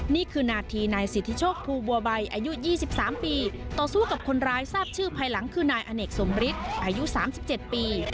นี่คือนาทีนายสิทธิโชคภูบัวใบอายุ๒๓ปีต่อสู้กับคนร้ายทราบชื่อภายหลังคือนายอเนกสมฤทธิ์อายุ๓๗ปี